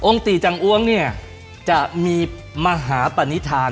ตีจังอ้วงเนี่ยจะมีมหาปณิธาน